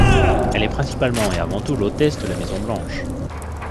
Elle est principalement et avant tout l'hôtesse de la Maison-Blanche.